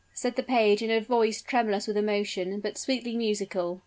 said the page, in a voice tremulous with emotion, but sweetly musical.